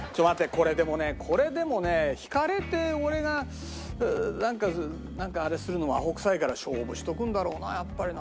これでもねこれでもね引かれて俺がなんかあれするのはアホくさいから勝負しとくんだろうなやっぱりな。